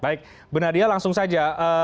baik bu nadia langsung saja